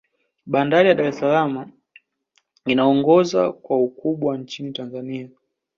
bandari ya dar es salaam inaongoza kwa ukumbwa nchini tanzania